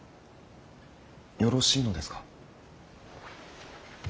よろしいのですか。